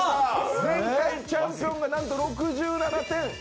前回チャンピオンがなんと６７点。